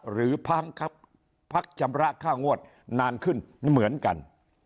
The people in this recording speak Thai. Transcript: พักชำระค่างวดนานขึ้นเหมือนกัน